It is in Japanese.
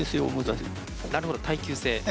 なるほど、耐久性。